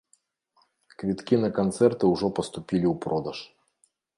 Квіткі на канцэрты ўжо паступілі ў продаж.